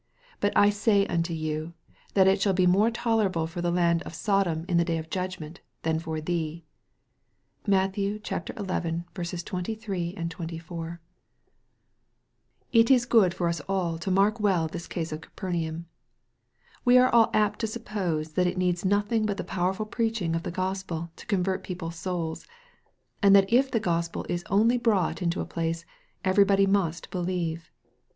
But I say unto you, That it shall be more tolerable for the land of So dom in the day of judgment, than for thee." (Matt. xi. 23, 24.) It is good for us all to mark well this case of Ca pernaum. We are all to apt to suppose that it needs nothing but the powerful preaching of the Gospel to con vert people's souls, and that if the Gospel is only brought into a place everybody must believe.